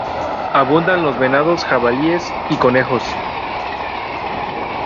Abundan los venados, jabalíes y conejos.